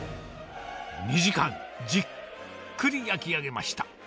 ２時間じっくり焼き上げました。